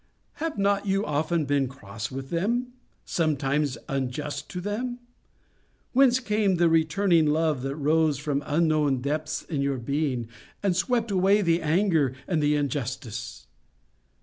Have not you often been cross with them? Sometimes unjust to them? Whence came the returning love that rose from unknown depths in your being, and swept away the anger and the injustice!